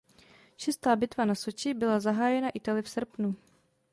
Šestá bitva na Soči byla zahájena Italy v srpnu.